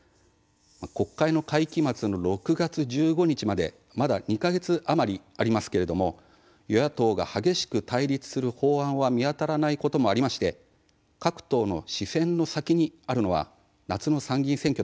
国会の会期末の６月１５日までまだ２か月余りありますけれども与野党が激しく対立する法案は見当たらないこともありまして各党の視線の先にあるのは夏の参議院選挙と見られます。